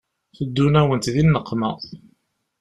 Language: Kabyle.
Teddun-awent di nneqma.